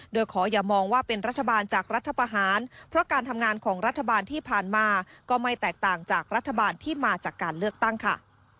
โดยขออย่ามองว่าเป็นรัฐบาลจากรัฐประหารเพราะการทำงานของรัฐบาลที่ผ่านมาก็ไม่แตกต่างจากรัฐบาลที่มาจากการเลือกตั้งค่ะ